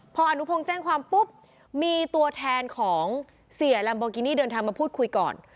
พออนุพงศ์แจ้งความปุ๊บมีตัวแทนของเสียลัมโบกินี่เดินทางมาพูดคุยก่อน